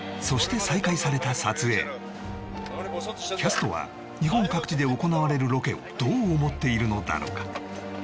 そして再開された撮影キャストは日本各地で行われるロケをどう思っているのだろうか？